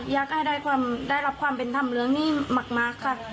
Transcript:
อยากให้ได้รับความเป็นธรรมเรื่องนี้มากค่ะ